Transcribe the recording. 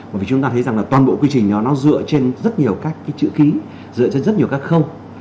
bởi vì chúng ta thấy rằng là toàn bộ quy trình đó nó dựa trên rất nhiều các cái chữ ký dựa trên rất nhiều các khâu